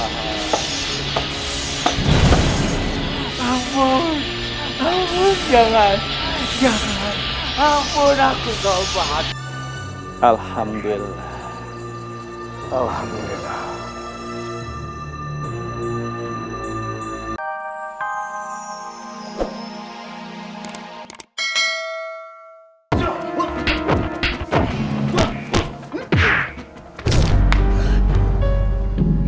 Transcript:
hai kamu jangan jangan aku takut banget alhamdulillah alhamdulillah